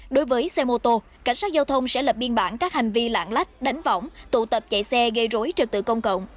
đối với xe mô tô cảnh sát giao thông sẽ lập biên bản các hành vi lạng lách đánh võng tụ tập chạy xe gây rối trật tự công cộng